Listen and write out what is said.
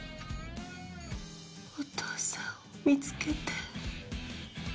お父さんを見つけて。